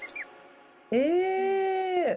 え？